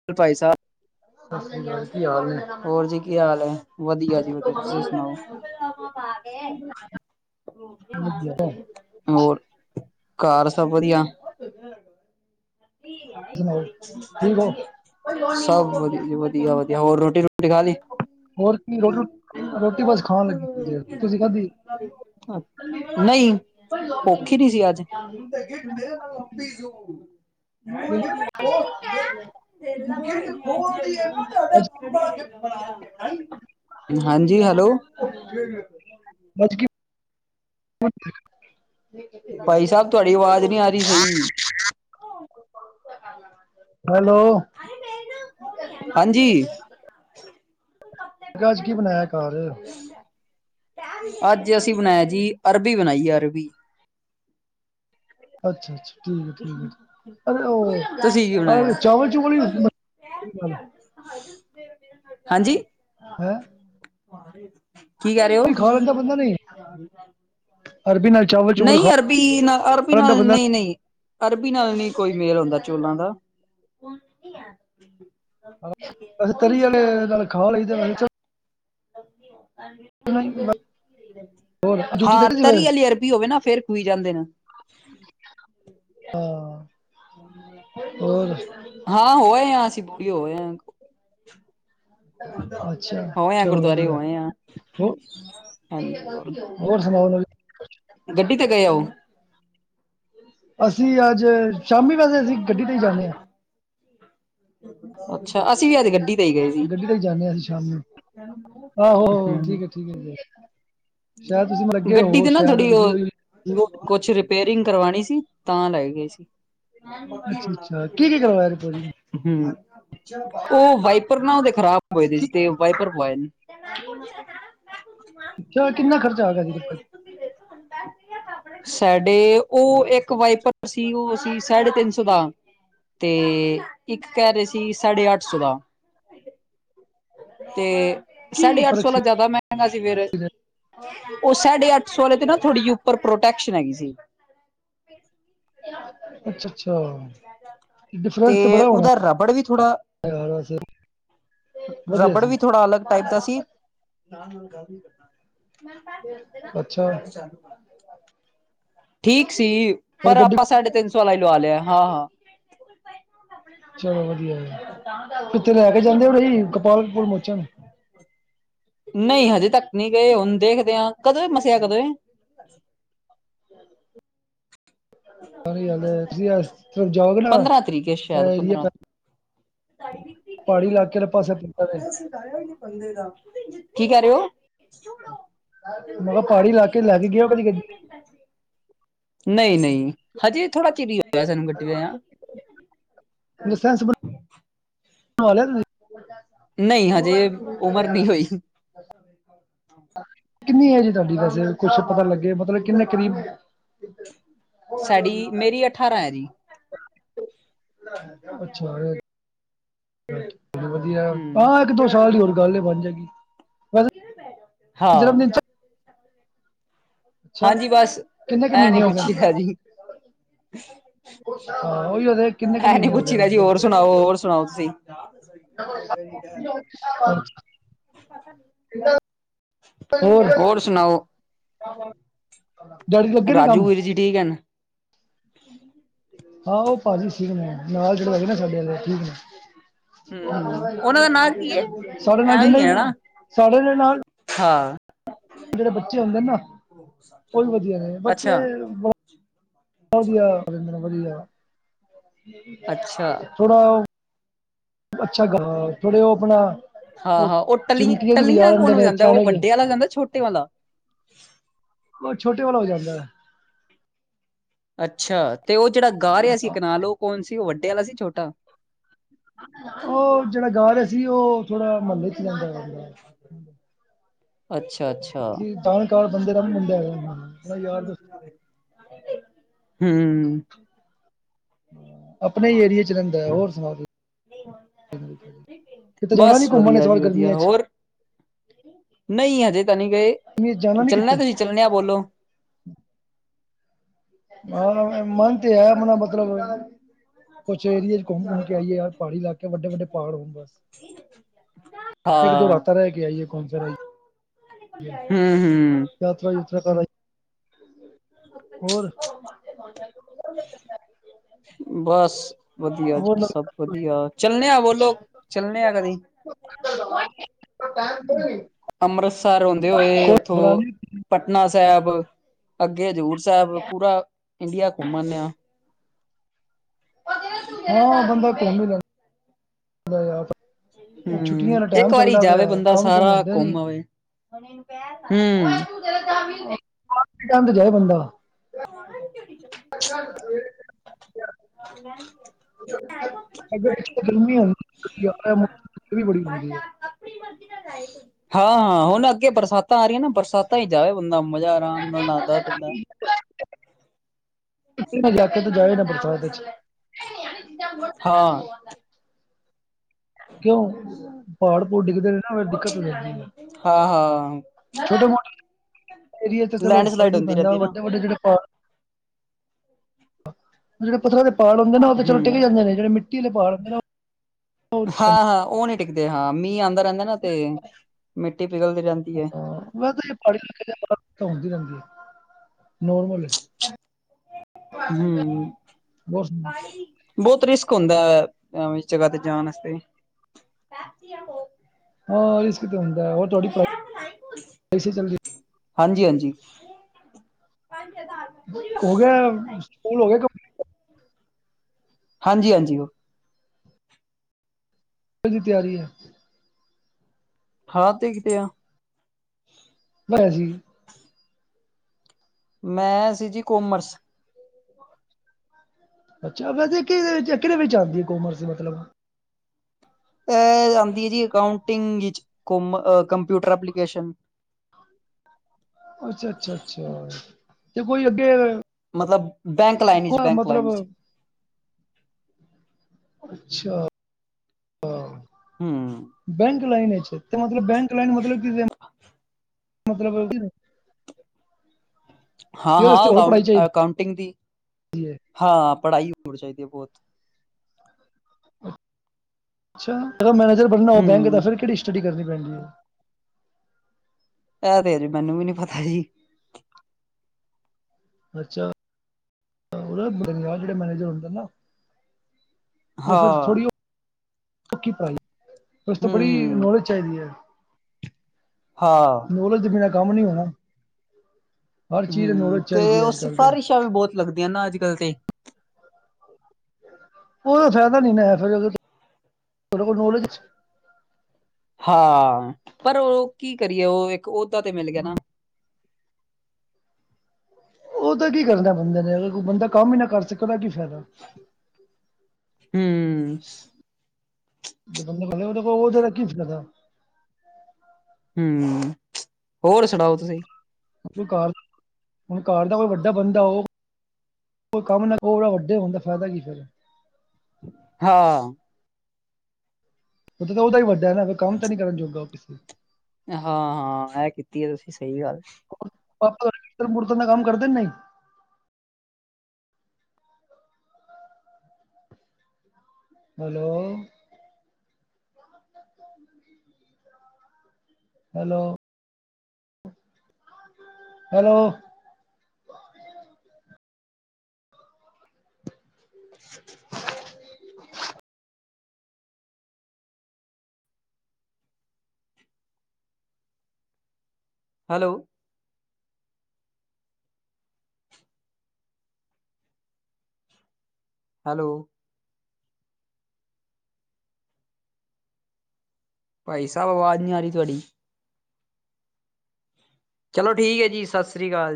[unintelligible] ਸਤਿ ਸ੍ਰੀ ਅਕਾਲ ਕੀ ਹਾਲ ਨੇ? ਹੋਰ ਜੀ ਕੀ ਹਾਲ ਹੈ ਵਧੀਆ ਜੀ ਵਧੀਆ ਤੁਸੀ ਸੁਣਾਓ। ਵਧੀਆ ਹੋਰ। ਘਰ ਸਭ ਵਧੀਆ। [unintelligible] [unintelligible] ਸਭ ਵਧੀਆ ਜੀ ਵਧੀਆ ਵਧੀਆ ਹੋਰ ਰੋਟੀ ਰੋਟੀ ਖਾ ਲਈ ਰੋਟੀ ਬਸ ਖਾਣ ਲੱਗੀ ਸੀ ਤੁਸੀਂ ਖਾਧੀ। ਅੱਜ ਨਹੀਂ ਭੁਖ ਨੀ ਸੀ ਅੱਜ। [inaudible] [inaudible] ਹਾਂਜੀ ਹੈਲੋ ਅਜ ਕੀ ਭਾਈ ਸਾਹਿਬ ਤੁਹਾਡੀ ਆਵਾਜ਼ ਨਹੀਂ ਆ ਰਹੀ ਸਹੀ [unintelligible] ਹੈਲੋ ਹਾਂਜੀ ਮੈਂ ਕਿਹਾ ਅੱਜ ਕੀ ਬਣਾਇਆ ਘਰ ਅੱਜ ਅਸੀਂ ਬਣਾਇਆ ਜੀ ਅਰਬੀ ਬਣਾਈਏ ਅਰਬੀ ਅੱਛਾ-ਅੱਛਾ ਠੀਕ ਆ ਠੀਕ ਐ ਤੁਸੀਂ ਕੀ ਬਣਾਇਆ [unintelligible] ਹਾਂਜੀ ਹੈਂ ਕੀ ਕਿਹ ਰਹੇ ਓ ਖਾ ਲੈਂਦਾ ਬੰਦਾ ਨਹੀਂ ਅਰਬੀ ਨਾਲ ਚਾਵਲ ਚੁਵਲ ਖਾ ਨਹੀਂ ਅਰਬੀ ਨਾ ਅਰਬੀ ਸਾਡਾ ਨਾਲ ਬੰਦਾ ਨਹੀਂ-ਨਹੀਂ ਅਰਬੀ ਨਾਲ ਨੀ ਕੋਈ ਮੇਲ ਹੁੰਂਦਾ ਚੋਲਾਂ ਦਾ ਤਰੀ ਆਲੇ ਨਾਲ ਖਾ ਲਈਦੇ ਆ [unintelligible] [unintelligible] ਹੋਰ ਡਿਊਟੀ ਤੇ ਹਾਂ ਗਏ ਸੀ ਫਿਰ ਤਰੀ ਆਲੀ ਅਰਬੀ ਹੋਵੇ ਨਾ ਫੇਰ ਕੁਈ ਜਾਂਦੇ ਨੇ ਹਾਂ ਹੋਰ ਹਾਂ ਹੋਏ ਆ ਅਸੀਂ ਬੁਡੀ ਹੋਏ ਅਕ ਅੱਛਾ ਹੋਏ ਆ ਚਲੋ ਗੁਰਦੁਆਰੇ ਵਧੀਆ ਹੋਏ ਆ ਹੋ ਹਾਂਜੀ ਹੋਰ ਸੁਣਾਓ ਨਵੀਂ ਗੱਡੀ ਤੇ ਗਏ ਆ ਓਹ। ਅਸੀਂ ਅੱਜ ਸ਼ਾਮੀ ਵੈਸੇ ਅਸੀਂ ਗੱਡੀ ਤੇ ਈ ਜਾਣੇ ਆ। ਅੱਛਾ ਅਸੀਂ ਵੀ ਅੱਜ ਗੱਡੀ ਤੇ ਈ ਗਏ ਸੀ। ਗੱਡੀ ਤੇ ਹੀ ਜਾਂਦੇ ਹਾਂ ਅਸੀਂ ਸ਼ਾਮੀ ਆਹੋ ਹਮ ਠੀਕ ਐ ਠੀਕ ਐ। ਗੱਡੀ ਤੇ ਨਾ ਥੋੜ੍ਹੀ ਤੁਸੀਂ ਉਹ ਉਹੀ ਦੂਰੋਂ ਕੁਛ ਰਿਪ ਰਿਪੇਰਿੰਗ ਕਰਵਾਣੀ ਸੀ ਤਾਂ ਲੈ ਗਏ ਸੀ। ਅੱਛਾ ਅੱਛਾ ਕੀ ਕੀ ਕਰਵਾਇਆ ਰਿਪੋਰੀ? ਹੂ, ਉਹ ਵਾਈਪਰ ਨਾ ਉਹਦੇ ਖ਼ਰਾਬ ਹੋਏ ਕੀ ਸੀ ਤੇ ਵਾਈਪਰ ਪਵਾਏ ਨੇ। [unintelligible] ਚਾ ਕਿੰਨਾ ਖਰਚਾ ਆ ਗਿਆ ਸੀ ਸਾਡੇ ਉਹ ਇੱਕ ਵਾਈਪਰ ਸੀ ਉਹ ਅਸੀ ਸਾਢੇ ਤਿੰਨ ਸੌ ਦਾ, ਤੇ ਇੱਕ ਕਹਿ ਰਹੇ ਸੀ ਸਾਢੇ ਅੱਠ ਸੌ ਦਾ। ਤੇ ਕੀ ਸਾਢੇ ਅੱਠ ਫਰਕ ਸੌ ਆਲਾ ਸੀ ਜ਼ਿਆਦਾ ਮਹਿੰਗਾ ਸੀ ਫੇਰ, ਉਹ ਸਾਢੇ ਅੱਠ ਸੋਲੇ ਤੇ ਨਾ ਥੋੜ੍ਹੀ ਜਿਹੀ ਉੱਪਰ ਪ੍ਰੋਟੈਕਸ਼ਨ ਹੈਗੀ ਸੀ। ਅੱਛਾ ਅੱਛਾ ਡਿਫਰੈਂਸ ਤੇ ਬੜਾ ਹੋਣਾ ਉਹਦਾ ਰਬੜ ਵੀ ਥੋੜਾ [unintelligible] ਵਧੀਆ ਰਬੜ ਸੀ ਵੀ ਥੋੜਾ ਅਲੱਗ ਟਾਈਪ ਦਾ ਸੀ। ਅੱਛਾ [unintelligible] ਠੀਕ ਸੀ, ਹੋਰ ਪਰ ਗੱਡੀ ਆਪਾਂ ਸਾਢੇ ਤਿੰਨ ਸੌ ਵਾਲਾ ਈ ਲਵਾ ਲਿਆ ਹਾਂ ਹਾਂ। ਚਲੋ ਵਧੀਆ ਕਿੱਤੇ ਲੈ ਕੇ ਜਾਂਦੇ ਕੇ ਨਈ ਗੋਪਾਲਪੁਰਮੋਚਨ ਨਹੀਂ ਹਜੇ ਤੱਕ ਨਹੀਂ ਗਏ ਹੁਣ ਦੇਖਦੇ ਆ ਕਦੋਂ ਏ ਮੱਸਿਆ ਕਦੋਂ ਏ [unintelligible] ਪੰਦਰਾਂ ਤਰੀਕ ਏ ਸ਼ਾਇਦ ਪੰਦਰਾਂ ਪਹਾੜੀ ਇਲਾਕੇ ਪਾਸੇ ਪੈਂਦਾ ਵੇ ਕੀ ਕਹਿ ਰਹੇ ਓ? ਮੈਂ ਕਿਹਾ ਪਹਾੜੀ ਇਲਾਕੇ ਲੈ ਕੇ ਗਏ ਓ ਕਦੇ ਗੱਡੀ। ਨਈ ਨਈ। ਹਜੇ ਥੋੜਾ ਚਿਰ ਈ ਹੋਇਆ ਸਾਨੂੰ ਗੱਡੀ ਲਿਆ। ਲਾਇਸੈਂਸ [unintelligible] ਨਹੀਂ ਹਜੇ ਉਮਰ ਨਈ ਹੋਈ। ਕਿੰਨੀ ਏਜ ਏ ਤੁਹਾਡੀ, ਵੈਸੇ ਕੁਛ ਪਤਾ ਲੱਗੇ ਮਤਲਬ ਕਿੰਨੇ ਕਰੀਬ ਸਾਡੀ ਮੇਰੀ ਅਠਾਰਾਂ ਹੈ ਜੀ ਅੱਛਾ। ਚਲੋ ਵਧੀਆ, ਹੂੰ ਹਾਂ ਇੱਕ ਦੋ ਸਾਲ ਦੀ ਹੋਰ ਗੱਲ ਏ ਬਣ ਜਾਏਗੀ। ਵੈਸੇ ਹਾਂ। ਜਨਮ ਦਿਨ ਅੱਛਾ ਹਾਂਜੀ ਬਸ ਕਿੰਨੇ ਕੁ ਐ ਨੀ ਮਹੀਨੇ ਹੋ ਗਏ ਪੁੱਛੀਦਾ ਜੀ। ਹਾਂ ਉਹੀ ਉਹਦੇ ਕਿੰਨੇ ਕੁ ਐ ਨੀ ਮਹੀਨੇ ਹੋ ਗਏ ਨੇ ਪੁੱਛੀਦਾ ਜੀ, ਹੋਰ ਮਤਲਬ ਸੁਣਾਓ ਹੋਰ ਸੁਣਾਓ ਤੁਸੀਂ? [unintelligible] ਹੋਰ? [unintelligible] ਰਾਜੂ ਵੀਰ ਜੀ ਠੀਕ ਏ ਨਾ? ਆਹੋ ਭਾਜੀ ਠੀਕ ਨੇ, ਨਾਲ ਚੜਵਾਏ ਨਾ ਸਾਡੇ ਆਲੇ ਠੀਕ ਨੇ। ਹੂੰ ਹੂੰ ਉਹਨਾਂ ਦਾ ਨਾਂ ਕੀ ਏ ਸਾਡੇ ਨਾਲ ਐਵੇਂ ਜਿੰਨੇ ਹੀ ਵੀ ਹੈ ਨਾ, ਸਾਡੇ ਦੇ ਨਾਲ ਹਾਂ। ਜਿਹੜੇ ਬੱਚੇ ਹੁੰਦੇ ਨੇ ਨਾ, ਉਹ ਵੀ ਵਧੀਆ ਨੇ ਬੱਚੇ ਅੱਛਾ ਬਹੁਤ ਵਧੀਆ ਵਧੀਆ, ਅੱਛਾ ਥੋੜਾ ਉਹ ਅੱਛਾ ਗ ਥੋੜੇ ਉਹ ਆਪਣਾ ਹਾਂ ਹਾਂ ਉਹ ਟੱਲ ਚਿਮਟੀਆਂ ਦੀ ਵਜਾ ਟੱਲੀਆਂ ਲੈਂਦੇ ਕੋਣ ਨੇ ਵਜਾਂਦਾ ਉਹ ਛਾਣੇ ਜੇ ਵੱਡੇ ਵਾਲਾ ਵਜਾਂਦਾ, ਛੋਟੇ ਵਾਲਾ? ਉਹ ਛੋਟੇ ਵਾਲਾ ਵਜਾਂਦਾ। ਅੱਛਾ ਤੇ ਉਹ ਜਿਹੜਾ ਗਾ ਰਿਹਾ ਸੀ ਇਕ ਨਾਲ ਉਹ ਕੌਣ ਸੀ, ਉਹ ਵੱਡੇ ਵਾਲਾ ਸੀ ਛੋਟਾ? ਉਹ ਜਿਹੜਾ ਗਾ ਰਿਹਾ ਸੀ ਉਹ ਥੋੜਾ ਮਹੱਲੇ ਚ ਹੀ ਰਹਿੰਦਾ ਲੱਗਦਾ। ਅੱਛਾ ਅੱਛਾ ਜਾਣਕਾਰ ਬੰਦੇ ਦਾ ਮੁੰਡਾ ਹੈ ਯਾਰ ਦੋਸਤ। ਹੂੰ ਆਪਣੇ ਈ ਏਰੀਏ ਚ ਰੈਂਦਾ ਐ ਹੋਰ ਸਣਾਓ ਤੁਸੀਂ? ਕਿਤੇ ਜਾਣਾ ਨੀ ਬਸ ਘੁੰਮਣ ਏਸ ਵਧੀਆ ਵਾਰ ਗਰਮੀਆਂ ਚ? ਨਈਂ ਹਜੇ ਤਾਂ ਨਈਂ ਗਏ, ਗਰਮੀਆਂ ਚ ਜਾਣਾ ਨਹੀਂ ਚੱਲਨਾ ਕਿਤੇ ਤੁਸੀਂ ਚੱਲਣਿਆ ਬੋਲੋ? ਹਾਂ ਮਨ ਤੇ ਹੈ ਆਪਣਾ ਮਤਲਬ, ਕੁਛ ਏਰੀਏ ਚ ਘੁੰਮ-ਘੁੰਮ ਕੇ ਆਈਏ ਯਾਰ ਪਹਾੜੀ ਇਲਾਕੇ ਵੱਡੇ-ਵੱਡੇ ਪਹਾੜ ਹੋਣ ਬਸ। ਇੱਕ-ਦੋ ਹਾਂ ਰਾਤਾਂ ਰੈਅ ਕੇ ਆਈਏ ਘੁੰਮ-ਫਿਰ ਆਈਏ। ਹੂੰ ਹੂੰ ਯਾਤਰਾ-ਯੂਤਰਾ ਕਰ ਆਈਏ। [inaudible] ਹੋਰ? ਬਸ ਵਦੀਆ ਹੋਰ ਜੀ ਸਬ ਨਵੀਂ- ਵਦੀਆ, ਚੱਲਨੇ ਆ ਬੋਲੋ ਚੱਲਨੇ ਆ ਕਦੀ। [inaudible] ਅੰਮ੍ਰਿਤਸਰ ਹੁੰਦੇ ਹੋਏ ਕੋਈ ਉੱਥੋਂ, ਪੁਰਾਣੀ ਪਟਨਾ ਸੈਬ। ਅੱਗੇ ਹਜ਼ੂਰ ਸੈਬ ਪੂਰਾ ਇੰਡੀਆ ਘੁੰਮ ਆਨੇ ਆਂ। ਹਾਂ ਬੰਦਾ ਘੁੰਮ ਈ ਲੈਂਦਾ, ਇਆ ਹੂੰ ਇੱਕ ਵਾਰੀ ਜਾਵੇ ਬੰਦਾ ਕੰਮ ਕੁਮ ਸਾਰਾ ਹੁੰਦੇ ਨੀ ਘੁੰਮ ਆਵੇ। ਹੂੰ। [unintelligible] ਤੇ ਜਾਏ ਬੰਦਾ। [inaudible] [inaudible] ਗਰਮੀ [unintelligible] ਵੀ ਬੜੀ ਹੁੰਦੀ ਐ। [inaudible] ਹਾਂ-ਹਾਂ ਹੁਣ ਅੱਗੇ ਬਰਸਾਤਾਂ ਆ ਰਈਆਂ ਨਾ ਬਰਸਾਤਾਂ ਈ ਜਾਵੇ ਬੰਦਾ ਮਜ਼ਾ ਆਰਾਮ ਨਾਲ ਨਾਦਾਂ-ਤੋਂਦੈ। [unintelligible] ਜਾਏ ਨਾ ਬਰਸਾਤ ਦੇ ਵਿਚ। ਹਾਂ ਕਿਉਂ, ਪਹਾੜ-ਪੂੜ ਡਿੱਗਦੇ ਨੇ ਨਾ ਫੇਰ ਦਿੱਕਤ ਹੋ ਜਾਂਦੀ ਐ। ਹਾਂ-ਹਾਂ। ਛੋਟੇ-ਮੋਟੇ ਏਰੀਏ ਚ ਚਲੋ ਲੈਂਡ ਫਰਕ ਸਲਾਈਡ ਨੀ ਹੁੰਦੀ ਪੈਂਦਾ ਰਹਿੰਦੀ ਨਾ ਵੱਡੇ-ਵੱਡੇ ਜੇੜੇ ਪਹਾੜ [inaudible] ਜੇੜੇ ਪੱਥਰਾਂ ਦੇ ਪਹਾੜ ਹੁੰਦੇ ਨੇ ਨਾ ਓ ਤੇ ਚਲੋ ਟਿੱਕ ਹੂੰ ਜਾਂਦੇ ਨੇ ਜੇੜੇ ਮਿੱਟੀ ਦੇ ਪਹਾੜ ਹੁੰਦੇ ਨੇ ਨਾ ਓ, ਓ ਡਿੱਗ ਜਾਂਦੇ। ਹਾਂ ਹਾਂ ਓ ਨੀ ਡਿਗਦੇ ਹਾਂ ਮੀਂਹ ਆਂਦਾ ਰੈਂਦਾ ਨਾ ਤੇ ਮਿੱਟੀ ਪਿਘਲਦੀ ਰੈਂਦੀ ਐ। ਨੇ। ਹਾਂ ਵੈਸੇ ਤਾਂ ਜੀ ਪਹਾੜੀ ਇਲਾਕੇ ਚ [unintelligible] ਹੁੰਦੀ ਰੈਂਦੀ ਆ, ਨੋਰਮਲ ਐ। ਹੂੰ-ਹੂੰ। ਬਹੁਤ ਬੋਤ ਰਿਸਕ ਹੁੰਦਾ ਐ ਐਵੇਂ ਦੀ ਜਗਾ ਤੇ ਜਾਣ ਆਸਤੇ। [inaudible] ਹਾਂ ਰਿਸਕ ਤੇ ਹੁੰਦਾ ਐਮ, ਓ ਤੁਆਡੀ [unintelligible] ਚੱਲਦੀ। ਹਾਂਜੀ-ਹਾਂਜੀ। [inaudible] ਹੋ ਗਿਆ, ਸਕੂਲ ਹੋ ਗਿਆ ਕਮਪਲੀਟ? ਹਾਂਜੀ-ਹਾਂਜੀ ਓ। ਦੀ ਤਿਆਰੀ ਐ? ਹਾਂ ਤੇ ਕਿਤੇ ਆ। [unintelligible] ਸੀ। ਮੈਂ ਸੀ ਜੀ ਕੋਮਰਸ। ਅੱਛਾ ਵੈਸੇ ਕਿਦੇ ਵਿੱਚ ਕਿਦੇ ਵਿੱਚ ਆਂਦੀ ਐ ਕੋਮਰਸ ਮਤਲਬ। ਏ ਆਂਦੀ ਐ ਜੀ ਅਕਾਉਂਟਿੰਗ ਚ, ਕੋ ਕੰਪਿਊਟਰ ਐਪਲੀਕੇਸ਼ਨ। ਅੱਛਾ-ਅੱਛਾ-ਅੱਛਿਆ ਤੇ ਕੋਈ ਅੱਗੇ ਮਤਲਬ ਬੈਂਕ ਲਾਈਨ ਇਚ ਕੋਈ ਬੈਂਕ ਲਾਈਨ ਮਤਲਬ ਇਚ ਅੱਛਾ। ਆ ਓ। ਹੂੰ। ਬੈਂਕ ਲਾਈਨ ਇੱਚ ਤੇ ਮਤਲਬ ਬੈਂਕ ਲਾਈਨ ਮਤਲਬ ਕਿ, ਮਤਲਬ ਯਾਰ ਇਸ ਹਾਂ-ਹਾਂ ਤੇ ਹੋਰ ਪੜ੍ਹਾਈ ਅਕਾਊਂ ਚਾਹੀਦੀ ਅਕਾਊਂਟਿੰਗ ਦੀ, ਹੈ ਹਾਂ ਪੜਾਈ ਹੋਣੀ ਚਾਈਦੀ ਐ ਬੋਤ। ਅੱਛਾ, ਅਗਰ ਮੈਨੇਜਰ ਬਣਨਾ ਹੋਵੇ ਬੈਂਕ ਦਾ ਹੂੰ, ਫਿਰ ਕੇੜੀ ਸਟੱਡੀ ਕਰਨੀ ਪੈਂਦੀ ਐ? ਏ ਤੇ ਹਜੇ ਮੈਨੂੰ ਵੀ ਨੀ ਪਤਾ ਜੀ। ਅੱਛਾ, ਜੇੜੇ [unintelligible] ਮੈਨੇਜਰ ਹੁੰਦੇ ਨੇ ਨਾ ਓ ਫਿਰ ਹਾਂ, ਥੋੜੀ ਓ ਕਿ ਭਾਜੀ ਓਸ ਤੋਂ ਬੜੀ ਹੂੰ-ਹੂੰ। ਨੌਲੇਜ ਚਾਈਦੀ ਐ। ਹਾਂ। ਨੌਲੇਜ ਦੇ ਬਿਨਾਂ ਕੰਮ ਨੀ ਹੋਣਾ। ਹਰ ਚੀਜ਼ ਹੂੰ, ਨੌਲੇਜ ਤੇ ਚਾਹੀਦੀ ਹੈ ਓ ਅੱਜ ਕੱਲ੍ਹ ਤੇ ਸਿਫਾਰਿਸ਼ਾਂ ਵੀ ਬੋਤ ਲੱਗਦੀਆਂ ਨਾ ਅੱਜ ਕੱਲ ਤੇ। ਓਦਾ ਫੈਦਾ ਨੀ ਨਾ ਹੈ ਫਿਰ ਜਦੋਂ ਤੁਆਡੇ ਕੋਲ ਨੌਲੇਜ ਅੱਛੀ ਹਾਂ, ਪਰ ਓ ਕੀ ਕਰੀਏ ਓ ਇੱਕ ਓਦਾਂ ਤੇ ਮਿਲ ਗਿਆ ਨਾ। ਓਦਾ ਕੀ ਕਰਨਾ ਬੰਦਾ ਨੇ ਜਦੋਂ ਕੋਈ ਬੰਦਾ ਕੰਮ ਈ ਨਾ ਕਰ ਸਕੇ ਓਦਾ ਕੀ ਫੈਦਾ। ਹੂੰ। ਜੇ ਬੰਦਾ [unintelligible] ਓਦਾ ਕੋਲੋਂ ਓਦੇ ਫੇਰ ਕਿ ਸਿੱਖਦਾ। ਹੂੰ, ਹੋਰ ਸੁਣਾਓ ਤੁਸੀਂ? ਕੋਈ ਘਰ, ਹੁਣ ਘਰ ਦਾ ਕੋਈ ਵੱਡਾ ਬੰਦਾ ਹੂ। ਕੋਈ ਕੰਮ ਨਾ [unintelligible] ਵੱਡੇ ਹੋਣ ਦਾ ਫੈਦਾ ਕੀ ਫਿਰ। ਹਾਂ! ਲੇਕਿਨ ਉਹ ਤਾਂ ਹੀ ਵੱਡਾ ਹੈ ਨਾ ਫੇਰ ਕੰਮ ਤਾਂ ਨਹੀਂ ਕਰਨ ਜੋਗਾ ਕੋਈ। ਹਾਂ! ਹਾਂ! ਇਹ ਕੀਤੀ ਹੈ। ਤੁਸੀਂ ਸਹੀ ਗੱਲ। ਪਾਪਾ ਕੀਰਤਨ ਕੂਰਤਨ ਦਾ ਕੰਮ ਕਰਦੇ ਨੇ? ਹੈਲੋ! ਠੀਕ ਆ। ਹੈਲੋ! ਹੈਲੋ! ਹੂੰ! ਹੈਲੋ! ਹੈਲੋ! ਭਾਈ ਸਾਹਿਬ ਆਵਾਜ਼ ਨਹੀਂ ਆ ਰਹੀ ਤੁਹਾਡੀ। ਚਲੋ ਠੀਕ ਹੈ ਜੀ ਸਤਿ ਸ਼੍ਰੀ ਅਕਾਲ ਜੀ।